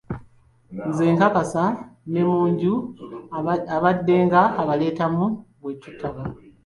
Nze nkakasa ne mu nju abaddenga abaleetamu we tutaba.